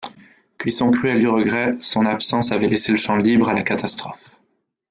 Cuisson cruelle du regret! son absence avait laissé le champ libre à la catastrophe.